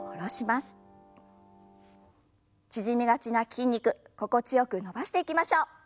縮みがちな筋肉心地よく伸ばしていきましょう。